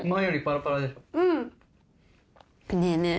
ねえねえ